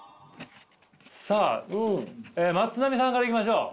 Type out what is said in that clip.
さあまつなみさんからいきましょう。